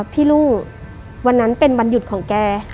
ลุงวันนั้นเป็นวันหยุดของแก